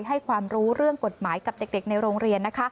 ให้ความรู้เรื่องกฎหมายกับเด็กในโรงเรียน